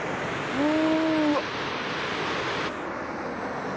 うわ！